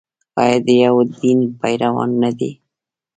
آیا د یو دین پیروان نه دي؟